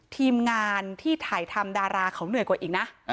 ทีมงานที่ถ่ายทำดาราเขาเหนื่อยกว่าอีกนะ